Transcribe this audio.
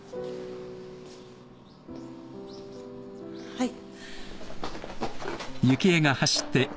はい。